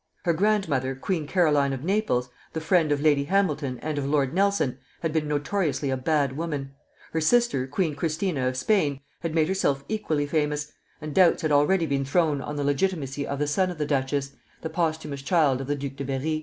Her grandmother, Queen Caroline of Naples, the friend of Lady Hamilton and of Lord Nelson, had been notoriously a bad woman; her sister, Queen Christina of Spain, had made herself equally famous; and doubts had already been thrown on the legitimacy of the son of the duchess, the posthumous child of the Duc de Berri.